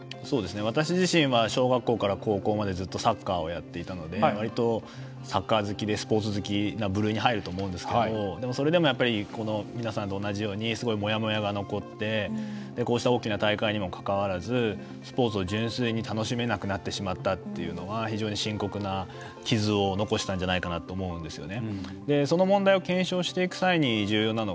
私自身は小学校から高校までずっとサッカーをやっていたのでわりと、サッカー好きでスポーツ好きな部類に入ると思うんですけどそれでも皆さんと同じようにすごくもやもやが残って大きな大会にもかかわらずスポーツを純粋に楽しめなくなったというのは非常に深刻な傷を残したんじゃないかなと思うんですよね。